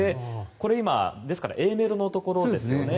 これ今、ですからＡメロのところですね。